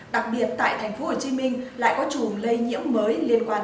đặc biệt tại thành phố hồ chí minh lại có chủng lây nhiễm mới liên quan